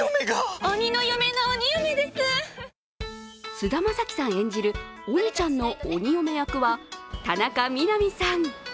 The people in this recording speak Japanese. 菅田将暉さん演じる鬼ちゃんの鬼嫁役は田中みな実さん。